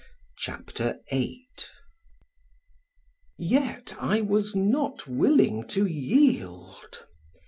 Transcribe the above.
CHAPTER VIII YET I was not willing to yield.